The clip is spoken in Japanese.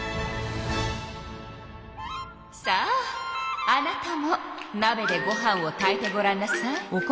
さああなたもなべでご飯を炊いてごらんなさい。